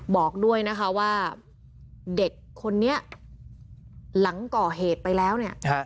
บอกด้วยนะคะว่าเด็กคนนี้หลังก่อเหตุไปแล้วเนี่ย